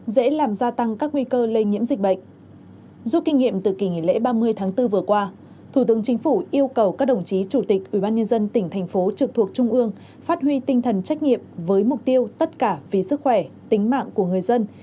dù kinh nghiệm từ kỳ nghỉ lễ ba mươi tháng bốn vừa qua thủ tướng chính phủ yêu cầu các đồng chí chủ tịch ubnd tỉnh thành phố trực thuộc trung ương phát huy tinh thần trách nghiệp với mục tiêu tất cả vì sức khỏe tính mạng của người dân